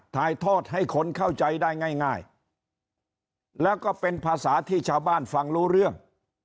ถ่ายทอดให้คนเข้าใจได้ง่ายแล้วก็เป็นภาษาที่ชาวบ้านฟังรู้เรื่อง